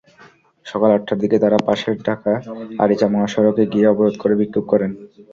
সকাল আটটার দিকে তাঁরা পাশের ঢাকা-আরিচা মহাসড়কে গিয়ে অবরোধ করে বিক্ষোভ করেন।